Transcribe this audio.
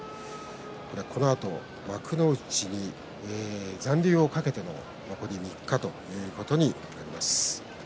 このあと幕内に残留を懸けて残り３日ということになります。